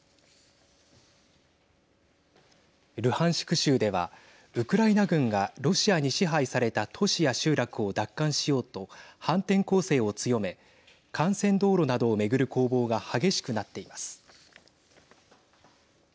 州ではウクライナ軍がロシアに支配された都市や集落を奪還しようと反転攻勢を強め幹線道路などを巡る攻防が激しくなっています。